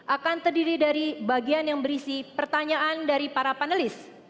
akan terdiri dari bagian yang berisi pertanyaan dari para panelis